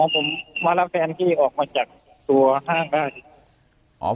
ผมมารับแฟนพี่ออกมาจากตัวห้างได้